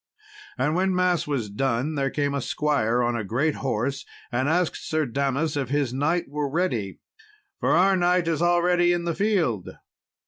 And when mass was done, there came a squire on a great horse, and asked Sir Damas if his knight were ready, "for our knight is already in the field."